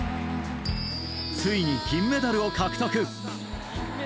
ついに銀メダルを獲得。